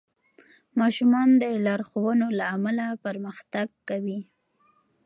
ماشومان د لارښوونو له امله پرمختګ کوي.